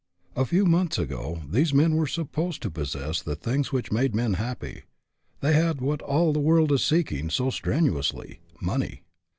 A few months ago, these men were supposed to possess the things which make men happy. They had what all the world is seeking so strenuously money.